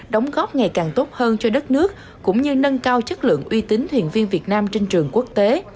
đóng góp ngày càng tốt hơn cho đất nước cũng như nâng cao chất lượng uy tín thuyền viên việt nam trên trường quốc tế